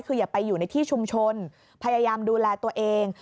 คืออย่าไปอยู่ในที่ชุมชนพยายามดูแลตัวเอง